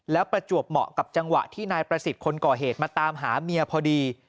แล้วประจวบเหมาะกับจังหวะที่นายประสิทธิ์คนก่อเหตุมาตามหาเมียพอดี